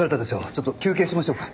ちょっと休憩しましょうか。